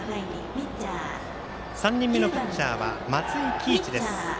３人目のピッチャーは松井喜一。